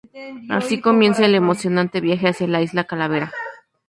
Así comienza el emocionante viaje hacia la Isla Calavera.